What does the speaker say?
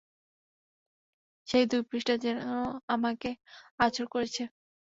সেই দুই পৃষ্ঠা যেন আমাকে আছর করেছে।